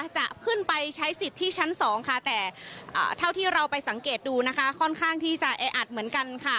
จะขึ้นไปใช้สิทธิ์ที่ชั้น๒ค่ะแต่เท่าที่เราไปสังเกตดูนะคะค่อนข้างที่จะแออัดเหมือนกันค่ะ